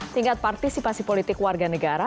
tingkat partisipasi politik warga negara